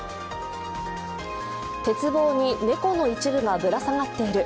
鉄棒に猫の一部がぶら下がっている。